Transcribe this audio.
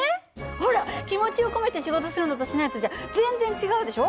ほら気持ちを込めて仕事するのとしないのとじゃ全然違うでしょ？